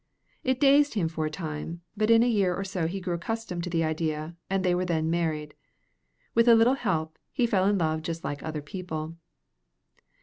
It dazed him for a time, but in a year or so he grew accustomed to the idea, and they were then married. With a little help, he fell in love just like other people.